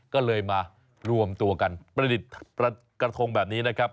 ก็เลยมารวมตัวกันประดิษฐ์กระทงแบบนี้นะครับ